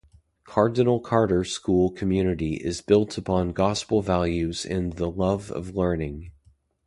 Cardinal Carter school community is built upon Gospel values and the love of learning.